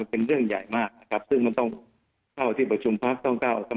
มันเป็นเรื่องใหญ่มากครับ